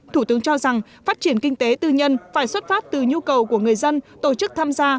thủ tướng cho rằng phát triển kinh tế tư nhân phải xuất phát từ nhu cầu của người dân tổ chức tham gia